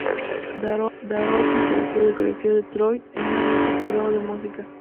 Dorothy Thompson creció Detroit, en un ambiente cargado de música.